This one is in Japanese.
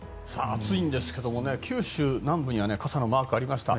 暑いんですが九州南部には傘のマークがありました。